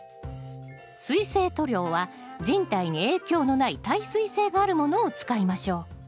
水性塗料は人体に影響のない耐水性があるものを使いましょう。